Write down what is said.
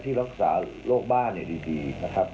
ที่รักษาโรคบ้านดีนะครับ